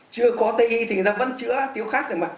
chưa có tây y thì người ta vẫn chữa tiếu khát